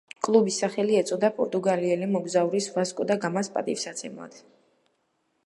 კლუბის სახელი ეწოდა პორტუგალიელი მოგზაურის ვასკო და გამას პატივსაცემად.